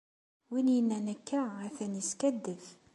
Win yennan akka, atan yeskaddeb.